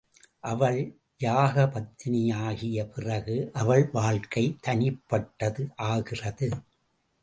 அவள் யாகபத்தினியாகிய பிறகு அவள் வாழ்க்கை தனிப்பட்டது ஆகிறது.